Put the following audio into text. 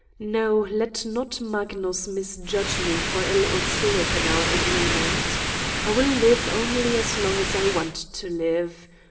No, let not Magnus misjudge me for a little slip in our agreement : I will live only as long as I want to live.